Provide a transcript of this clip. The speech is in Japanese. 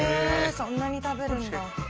そんなに食べるんだ。